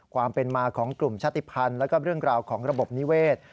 ความเป็นมาของกลุ่มชาติภัณฑ์แล้วก็เรื่องราวของระบบนิเวศ